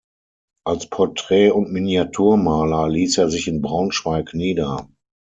Als Porträt- und Miniaturmaler ließ er sich in Braunschweig nieder.